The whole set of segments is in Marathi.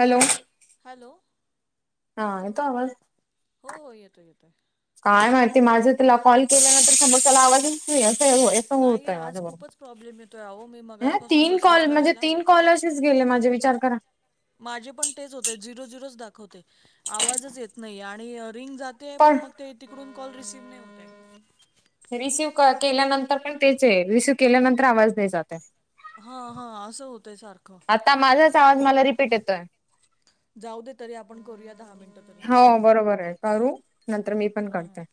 हॅलो. हॅलो. हा. येतो आवाज? हो हो येतोय येतोय. काय माहिती माझ तुला कॉल केल्यानंतर समोरच्याला आवाज ते अस ते अस नाही होतेय आज माझ्या खूपच प्रॉब्लेम येतोय अहो मी कडून ऐ मगासपासून तीन बसले कॉल म्हणजे करायला तिन कॉल अशेस गेले माझे विचार करा. माझे पण तेच होतय झिरो झिरोच दाखवतय आवाजच येत नाही आणि रिंग जात ते पण मग ते तिकडून कॉल रिसीव्ह नाही होत. रिसीव्ह केल्यानंतर पण तेच हे रिसीव्ह केल्यानंतर आवाज नाही जातय. हा हा अस होतय सारख, आता माझाच आवाज मला रिपीट येतोय. जाऊ दे तरी आपण करूया दहा मिनट तर, हो बरोबर आहे करू नंतर मी पण हा हा करतेय.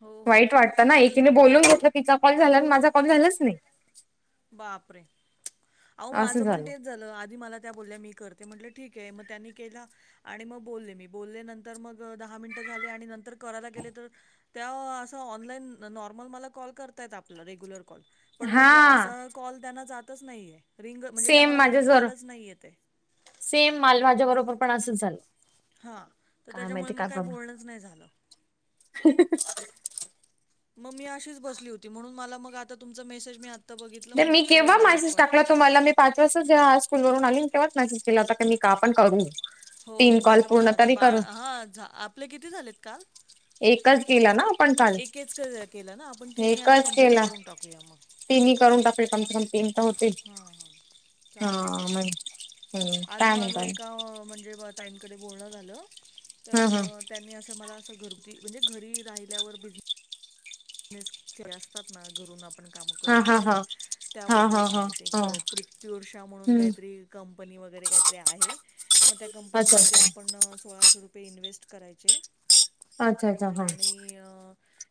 हो हो वाईट वाटत तू ना एकीने बोलून घेतल तिचा कॉल झाला माझा कॉल झालाच नाही. बापरे अहो असं माझ पण झालं ते च झाल आधी मला त्या बोलल्या मी करते म्हटल ठीक आहे मग त्यांनी केला आणि मग बोलले मी बोलले नंतर मग दहा मिनिट झाले आणि नंतर करायला गेले तर त्या अस ऑनलाईन नॉर्मल मला कॉल करताय आपल रेग्युलर कॉल पण हा मग असा कॉल त्यांना जातच नाहीये, रिंग म्हणजे त्या सेम मला माझ्या बोलतात जर कॉलच नाही येतेय. सेम माझ माझ्या बरोबर पण असच झाल. हा तर त्याच्यामुळे मग काय बोलणच नाही झाल. [unintelligible] मग मी अशीच बसली होती, म्हणून मला मग आता तुमचा मेसेज मीळा [unintelligible] मी केव्हा मॅसेज टाकला तुम्हाला मी पाच वाजता जेव्हा स्कूल वून आली तेव्हाच मेसेज केला होता का पण करु. हो हो माझं पण आता बाळ हा झा, आपले किती झालेत काल? एकच केला ना आपण काल एकेच क केलं ना आपण तिन्ही आता एकच कंप्लीट केला. करून टाकूया मग तीनही करून टाकल कन्फर्म तीन. तर होतील हा हा हा चालेल चालेल. म्हण हम्म आज काय माझं म्हणता एका म्हणजे ताईंनकडे बोलणं झालं तर हा त्यांनी असं मला असं घरगुती म्हणजे घरी राहिल्यावर बिझ नेस ते असतात ना घरून आप आपण काम करू हा हा शकतो, हा हा त्याबद्दल हा हा हा सांगित हा प्रथर्षा म्हणून हम्म काहीतरी कंपनी वगैरे काहीतरी आहे, मग त्या अच्छा कंपनीमध्ये अच्छा आपण सोळाशे रुप ये इन्व्हेस्ट करायचे. अच्छा अच्छा हा. आणि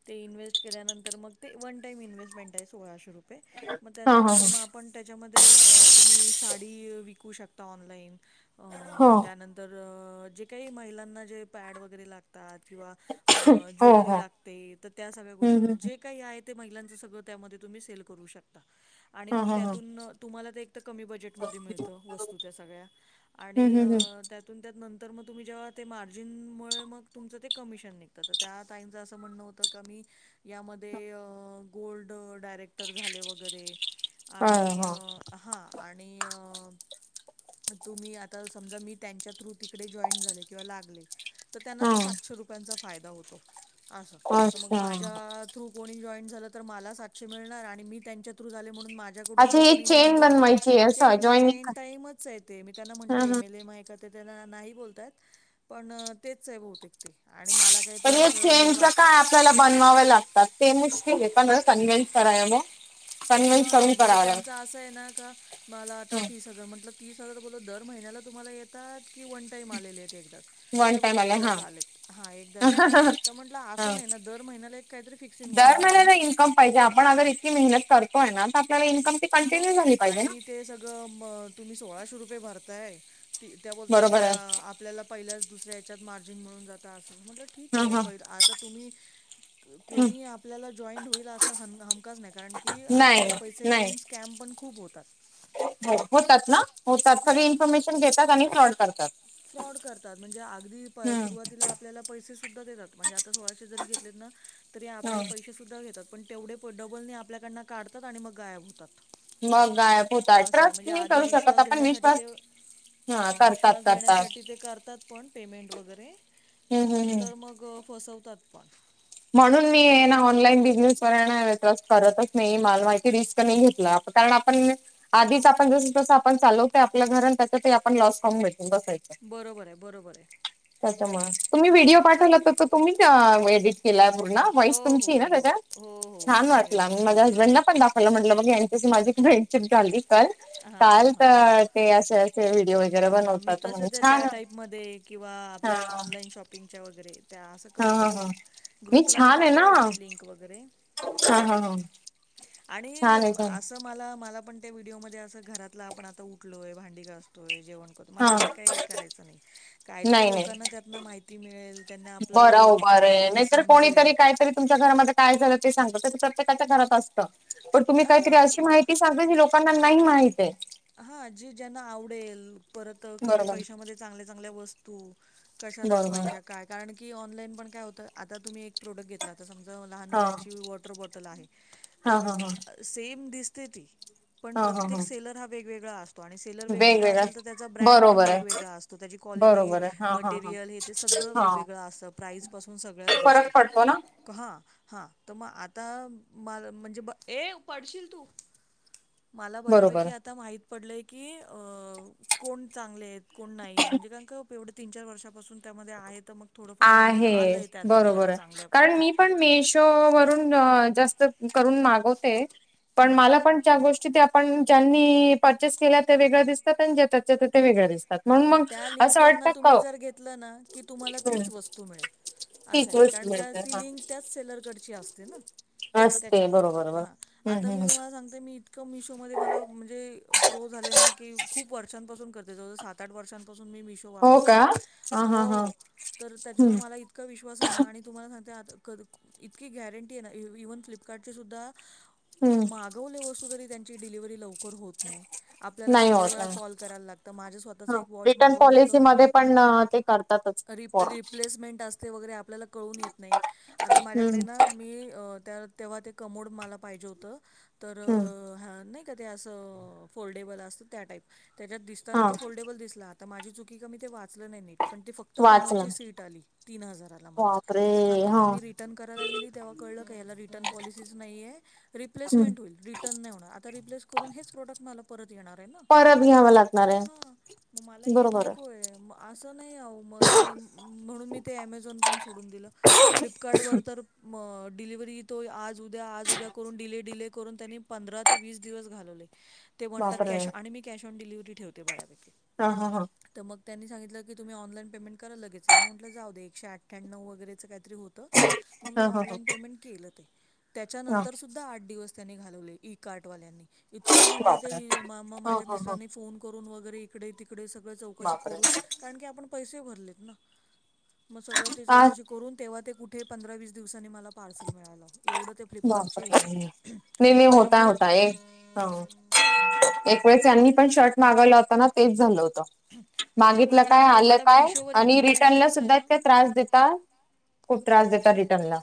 ते इन्व्हेस्ट केल्यानंतर मग ते वन टाइम इन्व्हेस्ट मेंट आहे सोळाशे रुपये मग हा हा हा हा त्याच्यानंतर मग आपण त्याच्यामध्ये तुम्ही साडी विकू शकता ऑनलाईन, हो अ त्यानंतर जे काही महिलांना जे पॅड वगैरे लागतात किंवा अ हो ज्वेलरी हो लागते तर त्या सगळ्या हम्म गोष्टी हम्म जे काही आहे ते महिलांच सगळ त्यामध्ये तुम्ही सेल करू शकता आणि हा मग हा हा त्यातून तुम्हाला ते एक तर कमी बजेटमध्ये मिळतं वस्तू त्या सगळ्या आणि हम्म हम्म हम्म त्यातून त्यातनंतर मग तुम्ही जेव्हा ते मार्जिनमुळे मग तुमचं ते कमिशन निघ त तर त्या ताईच असं म्हणं होतं का मी यामध्ये गोल्ड डायरेक्टर झाले वगैरे हा आणि हा अ हा आणि अ तुम्ही आता समजा मी त्यांच्या थ्रू तिकडे जॉईन झाले किंवा लागले तर त्यांना हा तो सातशे रुपयांचा फायदा होतो अस तर मग अच्छा माझ्यात थ्रू कोणी जॉईंट झालं तर मला सातशे मिळणार, आणि मी त्यांच्या थ्रू झाले म्हणून माझ्या कडून अच्छा जो ही कोणी चेन जॉईन बनवायची आहे असं चेन जॉईनिंग चेन कर टाईमच आहे ते मी त्यांना म्हणल हा हा. एम एल एम आय तर ते त्याला नाही बोलतायत पण तेच आहे बहुतेक ते आणि मला काही ते पण या असं हे चेनच वाटलं काय आपल्याला बनवाव लागतात ते मुश्किल आहे पण कन्व्हिन्स कराय ओ हा म्हणजे त्यांचा असं आहे ना, का मला आता तीस हजार म्हटलं तीस हजार बोलो दर महिन्याला तुम्हाला येतात, की वन टाइम आलेले आहेत एकदाच वन नाही टाइम बोलता आला हा. एकदाच आलेत हा एकदा आलेत तर म्हंटलं असं नाही ना दर महिन्याला एक काहीतरी फिक्स इनकम दर पाहिजे महिन्याला ना. इन्कम पाहिजे आपण अर इतकी मेहनत करतोय ना आपला इन्कम ती मग कंटिन्यूय झाली पाहिजे ना. आणि ते सगळं म तुम्ही सोळाशे रुपये भरताय ती त्या बोलतात बरोबर त्या आहे आपल्याला पहिल्याच दुसऱ्याच्यात मार्जिन मिळून जात अस म्हटल ठीक हा आहे हा. प आता तुम्ही हम्म. कोणी आपल्याला जॉईंड होईल असा ह हमकाच नाही कारण की नाही आजकाल पैसे नाही घेऊन कॅम्प पण खूप होतात. हो होतात ना होतात सगळी हां. इन्फॉर्मेशन घेतात आणि फ्रॉड करतात. फ्रॉड करतात म्हणजे अगदी हम्म सुरुवातीला आपल्याला पैसे सुद्धा देतात म्हणे आता सोळाशे जरी घेतलेत ना तरी आपल्याला हम्म. पैसे सुद्धा घेतात पण तेवढे डबलने आपल्याकडन काढतात आणि मग गायब हुतातं. मग गायब होताय ट्रस्ट नाही करू शकत आप विश्वास देण्यासाठी ते विश्वास करतात देण्यासाठी ते करतात पण पेमेंट वगैरे पण हम्म हम्म हम्म नंतर मग फसवतात पण. म्हणून मी आहे ना ऑनलाईन बिझनेस वर हाय ना ट्रस्ट करतच नाही माला माहिती रिस्क नाही घेतला आप कारण आपण आधीच आपण जस तस आपण चालवतय आपल्या घर आणि त्याच्यात आपण लॉस खाऊन भेटो बसायच. बरोबर आय बरोबर आय. त्याच्यामुळे, तुम्ही व्हिडिओ पाठवला तर तो तुम्हीच एडिट केलाय पूर्ण? व्हॉईस हो हो तुमची ना हो त्याच्यात हो हो छान मी वाटला एडिट माझ्या केलाय हसबंड तो. ला पण दाख म्हटलं ब यांच्याशी माझी फ्रेंडशिप झाली कल हां काल हां तर ते असे असे व्हिडिओ वगैरे ह मी बनवतात तस म्हणे त्या त्या छान टाईपमध्ये किंवा हा आपल्या ऑनलाईन हा शॉपिंगच्या वगैरे त्या असं करत हा हा असते ग्रुपला मी छान आहे ना टाकल्या होते हा लिंक वगैरे, हा हा आणि छान आहे छान असं मला मला पण त्या व्हिडिओमध्ये असं घरातला आपण आता उठलोय, भांडी घासतोय, जेवण करतो हा मला असं काही करायचं नाही, काहीतरी नाही लोकांना नाही त्यातनं माहिती मिळेल त्यांना आपला बरं व्हिडिओ बघून उभार आहे काहीतरी नाहीतर समजेल. कोणीतरी काहीतरी तुमच्या घरामध्ये काय झालं ते सांगत ते प्रत्येकाच्या घरात असतं. पण तुम्ही काहीतरी हा अशी माहिती सांगता जी लोकांना नाही माहित आहे. हा जी ज्यांना आवडेल परत कमी बरोबर पैशामध्ये चांगल्या चांगल्या वस्तू कशा बरोबर दाखवायच्या काय कारण की ऑनलाईन पण काय होत आता तुम्ही एक प्रोडक्ट घेतला आता समजा लहान हा हा मुलांची वॉटर बॉटल आहे, तर हा हा हा सेम दिसते ती पण प्रत्येक सेलर हा वेगवेगळा अस तो आणि सेलर वेगवेगळा वेगवेगळ्या असेल तर त्याचा ब्रँड पण बरोबर आहे वेगवेगळा असतो त्याची क्वालिटी बरोबर आहे हा हा हा मटेरियल हे ते सगळं हा वेगवेगळं असतं प्राईज पासून सगळ्याच गोष्टी. फरक पडतो ना हा हा तर मग आता म म्हणजे, ए पडशील तू. मला बऱ्यापैकी बरोबर आता माहित पडलंय की अ कोण चांगले आहेत कोण नाही म्हणजे कारण का एवढे तीन चार वर्षापासून त्यामध्ये आहे तर मग थोडंफार नॉलेज आहे आलंय त्यातलं जरा चांगल्यापैकी. तो वरुन जास्त करुन मागवते पण हं. मलापण च्या गोष्टी ते आपण ज्यांनी परचेस केल्या त्या वेगळ्या दिसतात आणि [unintelligible] त्या ते वेगळ्या दिस हा मग त्या लिंकवरन तुम्ही जर घेत लं ना की तुम्हाला तीचं वस्तु मिळेल असं तीच आहे, वस्तू कारण का मिळते ती हा. लिंक त्याच सेलर कडची असते ना असते त्याच्यामुळे बरोबर बर हा हम्म आता मी हम्म तुम्हाला सांगते मी इतकं मिशो मध्ये मला म्हणजे प्रो झाले ना की खूप वर्षांपासून करते जवळजवळ सात आठ वर्षांपासून मी मिशो हो का वापरते हा हो हा हा. हो तर त्याच्यामुळे मला इतका विश्वास आहे ना आणि तुम्हाला सांगते आता इतकी गॅरंटी आहे ना इ इव्हन फ्लीपकार्टची सुध्दा हम्म मा गवली वस्तु तरी त्यांची डिलिव्हरी लवकर होत नाही आपल्याला नाही शंभर होत वेळा नाही. कॉल करायला लागतं माझं स्व तःच ह एक वाॅच रिटर्न मागवलं पॉलिसी होतं, मध्ये पण अ, ते करतातच री फॉर्म. री प्लेसमेंट अस ते वगैरे आपल्याला कळून येत नाही आता माझ्याकडे हम्म ना मी त तेव्हा ते कमोड मला पाहिजे होतं तर हम्म हा नाही ते असं फोल्डेबल असतं त्या टाईप त्याच्यात दिसताना हा ते फोल्डेबल दिसला आता माझी चुकी की म ते वाचलं नाहीे नीट. पण ते फक्त वाचला कमोडची सीट आली तीन हजाराला मला बापरे ह तर म हा. मी री टन करायला गेले तेव्हा कळलं की याला रिटन पाॅलिसीच नाही आहे हम्म. रिप्लेसमेंट होईल रि टर्न नाही होणार, आता रिप्लेस करून हेच प्रोडक्ट मला परत येणार आहे ना. परत न्याव ला हा, मग मला हे नकोय म असं नाही आहो मग ते म्हणून मी ते एमेझॉन पण सोडून दिलं. फ्लिपकार्डवर तर डिलिव्हरी येतोय आज उद्या आज उद्या करून डिले डिले करून त्यांने पंधरा ते वीस दिवस घालवले ते म्हणतात बापरे कॅश आणि मी कॅश ऑन डिलिव्हरी ठेवते बऱ्यापैकी. हा हा हा. तर मग त्यांनी सांगितलं की तुम्ही ऑनलाईन पेमेंट करा लगेच येईल मग म्हटलं जाऊदे एकशे अठ्ठ्याण्णव वगैरेच कायतरी हो त म मी हा हा हा ऑनलाइन पेमेंट केलं ते हा त्याच्यानंतर सु ध्दा आठ दिवस त्यांनी घालवले इ कार्ट वाल्यानी, इतकं म्हणजे बापरे. ते म हा माझ्या हा हा मिस्टरांनी फोन करुन वगैरे इकडे तिकडे सगळं चौकशी बापरे करुन कारण की आपण पैसे भरलेत ना. मग सगळं ते आ चौकशी करून तेव्हा ते कुठे पंधरा वीस दिवसांनी मला पार्सल मिळालं एवढं ते फ्लिपकार्टचे हे बापरे! आहेत. ने ने होता त्याच्यामुळे होता ए एक वेळेस हां त्यां पण शर्ट मागवला होता ना, तेच झालं होतं. मागितलं त्याच्यामुळे ना काय? मी आलं मला काय? मिशोवर आणि इतका रिटर्नला विश्वास आहे सुद्धा ना इतके त्रास देतात. खूप त्रास देता रिटन ला.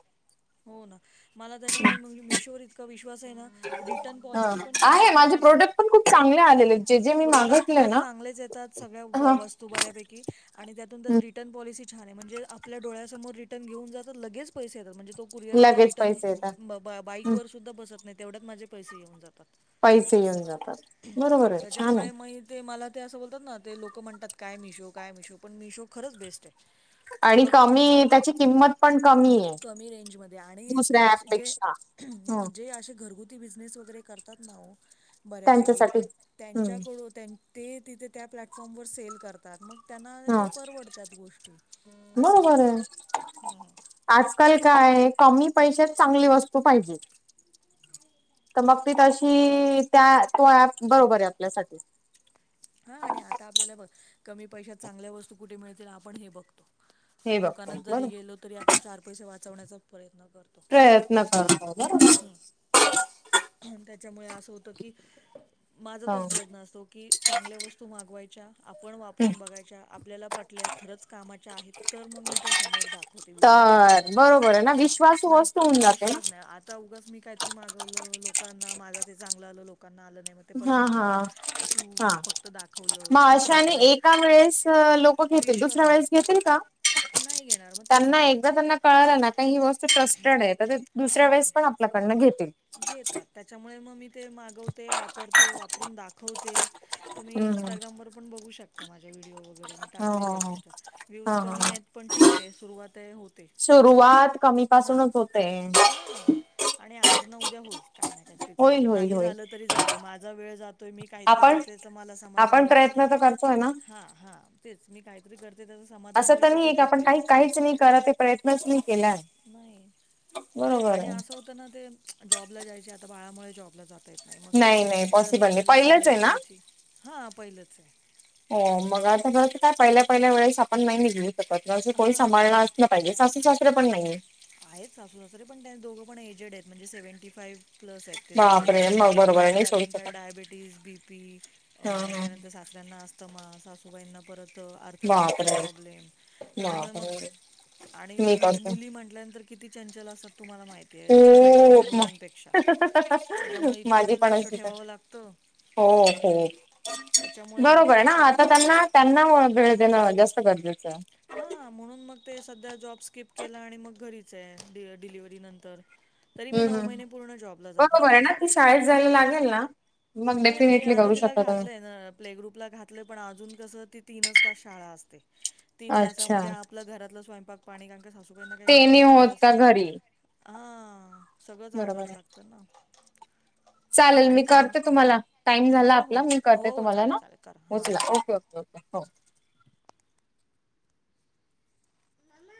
हो ना मला त्याच्यामुळे मिशोवर इतका विश्वास आहे ना. रिटर्न हा पॉलिसी पण, त्यांची आहे खूप माझे मस्त प्रोडक्ट पण खूप चांगले आलेले जे जे मी प्रोडक् मागितले तर ना. चांगलेच येतात सगळ्या हा वस्तू बऱ्यापैकी, आणि त्यातून त्या रिटर्न पॉलिसी छान आहे म्हणजे आपल्या डळ्यासमोर रिटन घेऊन जातात आणि लगेच पैसे येतात म्हणजे तो कुरिअरवाला लगेच रिटर्न पैसे येतात. बा हम्म. बाईकवरर सुद्धा बसत नाही? तेवढ्यात माझे पैसे येऊन जातात. पैसे असं येऊन जातात हे बरोबर आहे छान आहे त्याच्यामुळे म ते मला ते असं बोलतात ना ते लोकं म्हणतात काय मिशो काय मिशो पण म मिशो खरंच बेस्ट आहे. आणि प्रोडक्ट पण कमी चांगले त्याची हेत किंमत पण कमी आहे कमी रेंजमध्ये. आणि दुसऱ्या अस जे ऍपपेक्षा ह जे असे घरगुती बिझनेस वगैरे, करतात ना बऱ्यापैकी त्यांच्यासाठी हम्म त्यांच्याकड तिथे त्या प्लॅटफॉर्म व सेल करतात. मग त्यांना हा हे परवडतात गोष्टी अस बरोबर आहे हे आजकाल काय आहे. कमी पैशात चांगली वस्तू पाहिजे. तर मग ती तशी त्या तो ऍप बरोबर आहे आपल्यासाठी. हा आणि आता आपल्याला बघ कमी पैशात चांगल्या वस्तू कुठे मिळतील आपण हे बघतो. हे बघतो दुकानात जरी बरोबर गेलो तरी आपण चार पैसे वाचवण्याचा प्रयत्न करतो. [inaudible] [inaudible] हम् त्याच्यामुळे असं होतं की? माझा हा तोच प्रयत्न असतो. की चांगल्या वस्तू मागवायच्या आपण वापरून बघायच्या आपल्याला पटल्यात खरंच कामाच्या आहेत. तर मग मी त्या समोर दाख तर बरोबर आहे ना विश्वास नाही वस्त होऊन जाते ना विश्वास नाही आता उगास मी काहीतरी मागवलं. लोकांना माझं ते चांगलं आलं लोक लोकांना आलं नाही मग ते परत ना हा म्हणणार तू हा हा फक्त दाखवलं मग कस अशाने वापरायचं? एका वेळेस लोक घेतील विश्वास दुसऱ्या नाही वेळेस घेतील का? नाही घेणार मग तेच त्यांना ना एकदा त्यांना कळलं ना का ही वस्त ट्रस्टड आहे. तर दुसऱ्या हां वेळेस पण, आपल्याकडन घेतील. घेतात त्याच्यामुळे मग मी ते मागवते वापरते वापरून दाख हो ते तुम्ही हम्म. इन्स्टाग्रामवर पण बघू शकता माझ्या व्हिडिओ वगर. वगैरे मी हो हो टाकलेले आहेत. हो त्याच्या हा व्ह्यूज हा कमी हा. आहेत पण ठीक आहे सुरुवात आहे होते. सुरुवात कमीपासूनच होते. हा आणि आज न उद्या होईल. काही नाही काहीतरी होईल चांगलं होईल नाही होईल झालं तरी जाऊ दे माझा वेळ जातोय. मी काहीतरी आपण करतेच मला समाधान आपण मिळत. प्रयत्न तर करतोय ना. हा हा तेच मी काहीतरी करते. त्याच समाधान असं तर मिळते ते नाही की खूप आपण आहे. काही काहीच नाही कळतं ते प्रयत्नच नाही केला. नाही आणि असं होतं ना, ते जॉबला जायचे आता बाळामुळे जॉबला जात नाही मग ते नाही दर पॉसिबल नाही महिन्याला पहिलंच आहे सॅलरी ना? यायची हा पहिलंच आहे. हो मग आता बर काय पहिल्या पहिल्या वेळेस आपण नाही निघलू शकतं कोणी हां सांभाळला सासू सासरे पण नाहीहेत. आहेत सासू सासरे पण त्यां दोघं पण एजेड आहेत म्हणजे सेव्हंटी फाई्ह प्लस आहेत ते दोघही बापरे मग बरोबर आहे आणि नाही सोडू त्यातून त्या शकत डायबिटीज बी पी अ हा हा त्यानंतर सासऱ्यांना अस्तमा, सासूबाईंना परत त अर्थरेटीजचा बापरे प्रॉब्लेम, त्याच्यामुळे मग बापरे आणि मी मु करते मुली म्हण ल्यानंतर किती चंचल असतात तुम्हाला माहि तीय एकदम ऍक्टिव खूप मग मुलांपेक्षा, त्याच्यामुळे इतकं माझी ते पण लक्ष अशीच ठेवावं आहे लागतं. हो हो, त्याच्यामुळे मग बरोबर ते आहे ना असं होऊन आता त्यांना त्यांना वळ वेळ देणं जास्त गरजेचं आहे. हा, म्हणून मग ते सध्या जॉब स्किप केला आणि मग घरीच आहे, डी डिलिव्हरी नंतर. तरी मी हम्म नऊ हम्म महिने पूर्ण जॉबला जात बरोबर होते. आहे ना ती शाळेत जायला लागेल ना मग नाही मी डेफिनेटली आता करू तिला शकता तुम्ही घातलंय न प्ले ग्रुपला घातलंय पण अजून कसं ती तीनच तास शाळा असते, तीन अच्छा तासामध्ये आपल्या आपलं घरातलं स्वयंपाक पाणी कारण का सासू बाईंना काही ते घरातलं नाही म्हणजे होत का असं, घरी हा सगळंच बरोबर आवरायला आहे लागतं ना. चालेल आणि मी काम करते तुम्हाला, टाइम झाला हो हो आपला मी करते हो हो तुम्हाला चालेल ना, चालेल करा हां उचला ठीक आहे. Okay okay okay. [unintelligible] मम्मा.